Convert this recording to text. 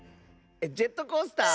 ジェットコースター？